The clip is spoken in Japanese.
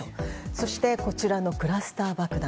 そしてこちらクラスター爆弾